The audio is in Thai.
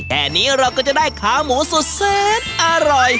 แค่นี้เราก็จะได้ขาหมูสุดแซนอร่อย